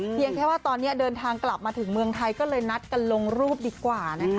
เพียงแค่ว่าตอนนี้เดินทางกลับมาถึงเมืองไทยก็เลยนัดกันลงรูปดีกว่านะคะ